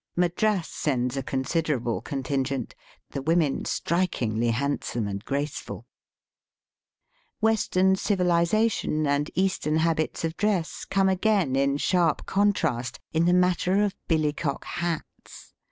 Madras sends a Digitized by VjOOQIC m T^E TROPICS. 131 considerable contingent, tlie womfen strikingly handsome and graceful. Western civilization and Eastern habits of dress come again in sharp contrast in the matter of billycock hats.